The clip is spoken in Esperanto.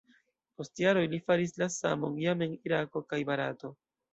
Post jaroj li faris la samon jam en Irako kaj Barato.